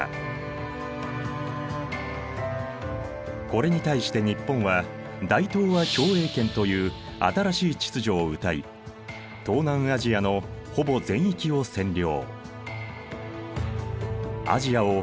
これに対して日本は大東亜共栄圏という新しい秩序をうたい東南アジアのほぼ全域を占領。